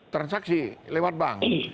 transaksi lewat bank